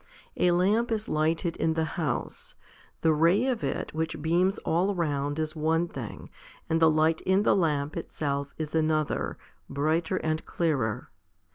A lamp is lighted in the house : the ray of it which beams all round is one thing and the light in the lamp itself is another, brighter and clearer.